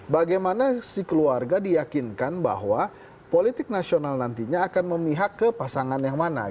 bagaimana si keluarga diyakinkan bahwa politik nasional nantinya akan memihak ke pasangan yang mana